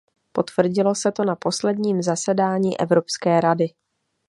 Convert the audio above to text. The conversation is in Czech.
Potvrdilo se to na posledním zasedání Evropské rady.